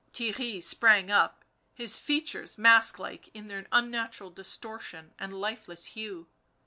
Theirry sprang up, his features mask like in their unnatural distortion and lifeless hue.